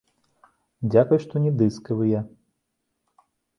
Дзякуй, што не дыскавыя.